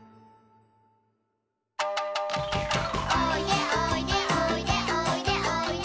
「おいでおいでおいでおいでおいで」